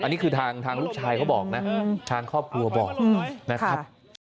อันนี้คือทางลูกชายเขาบอกนะทางครอบครัวบอกนะครับ